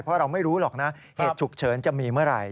เพราะเราไม่รู้หรอกนะเหตุฉุกเฉินจะมีเมื่อไหร่